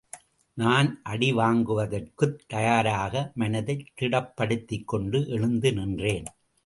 நான் அடி வாங்குவதற்குத் தயாராக மனதைத் திடப்படுத்திக் கொண்டு எழுந்து நின்றேன்.